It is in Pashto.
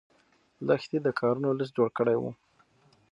لښتې د کارونو لست جوړ کړی و.